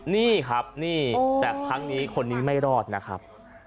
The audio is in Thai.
นี่ครับนี่แต่ครั้งนี้คนนี้ไม่รอดนะครับ